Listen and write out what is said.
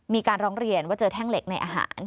มีการร้องเรียนว่าเจอแท่งเหล็กในอาหาร